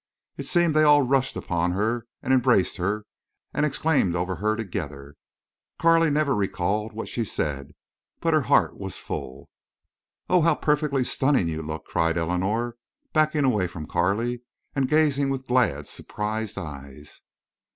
It seemed they all rushed upon her, and embraced her, and exclaimed over her together. Carley never recalled what she said. But her heart was full. "Oh, how perfectly stunning you look!" cried Eleanor, backing away from Carley and gazing with glad, surprised eyes.